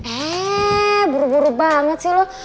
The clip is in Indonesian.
eh buru buru banget sih lo